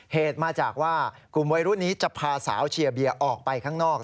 เหตุมาจากว่ากลุ่มวัยรุ่นนี้จะพาสาวเชียร์เบียออกไปข้างนอก